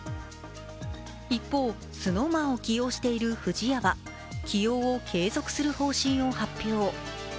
一方、ＳｎｏｗＭａｎを起用している不二家は起用を継続する方針を発表。